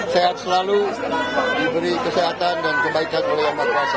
sehat selalu diberi kesehatan dan kebaikan oleh yang maha kuasa